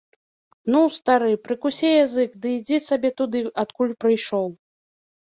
Ну, стары, прыкусі язык ды ідзі сабе туды, адкуль прыйшоў.